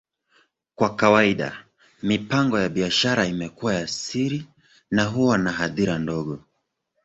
Kwa kawaida, mipango ya biashara imekuwa ya siri na huwa na hadhira ndogo.